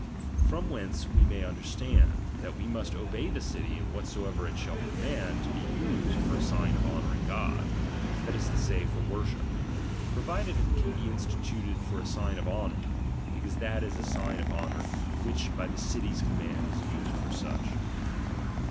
From whence we may understand, that we must obey the city in whatsoever it shall command to be used for a sign of honouring God, that is to say, for worship ; provided it can be instituted for a sign of honour ; because that is a sign of honour, which by the city's command is used for such.